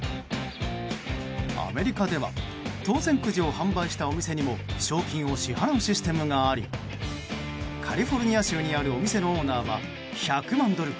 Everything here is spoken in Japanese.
アメリカでは当せんくじを販売したお店にも賞金を支払うシステムがありカリフォルニア州にあるお店のオーナーは１００万ドル